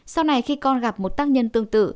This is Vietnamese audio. sau này khi con gặp một tác nhân tương tự